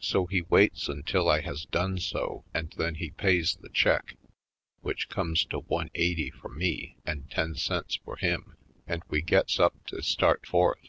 So he waits until I has done so and then he pays the check, which comes to one eighty for me and ten cents for him, and we gets up to start forth.